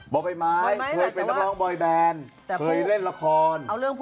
บ๊อบไบ้ไหม